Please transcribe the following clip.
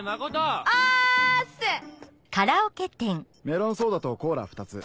メロンソーダとコーラ２つ。